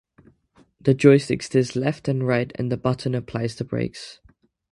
The joystick steers left and right and the button applies the brakes.